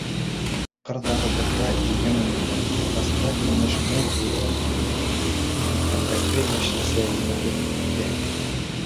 Ҡырҙарыбыҙҙа иген уңды, ағастарҙа емеш мул булды, түтәлдәрҙә йәшелсә емерелеп үҫте.